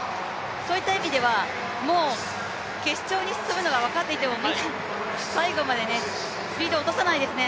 そういった意味では、決勝に進むのは分かっていてもみんな、スピードを落とさないですね。